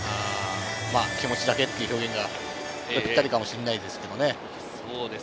気持ちだけっていう表現がぴったりかもしれないですね。